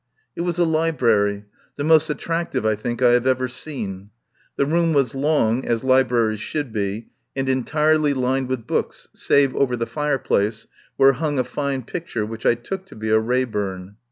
It was a library, the most attractive I think I have ever seen. The room was long, as libraries should be, and entirely lined with books, save over the fireplace, where hung a fine picture, which I took to be a Raeburn.